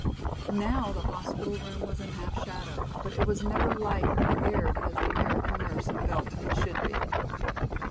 Now the hospital room was in half shadow, but it was never light nor aired as the American nurse felt it should be.